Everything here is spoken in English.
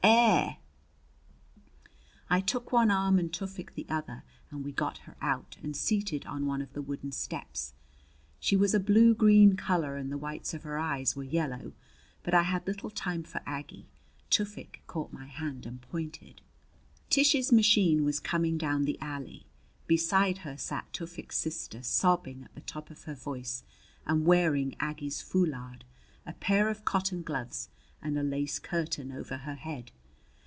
Air!" I took one arm and Tufik the other, and we got her out and seated on one of the wooden steps. She was a blue green color and the whites of her eyes were yellow. But I had little time for Aggie. Tufik caught my hand and pointed. Tish's machine was coming down the alley. Beside her sat Tufik's sister, sobbing at the top of her voice and wearing Aggie's foulard, a pair of cotton gloves, and a lace curtain over her head.